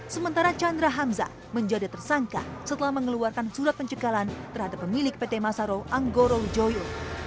sementara chandra hamzah menjadi tersangka setelah mengeluarkan surat pencegahan terhadap pemilik pt masaro anggoro wijoyo